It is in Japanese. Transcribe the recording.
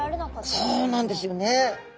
そうなんですよね。